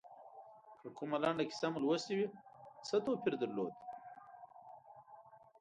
که کومه لنډه کیسه مو لوستي وي څه توپیر درلود.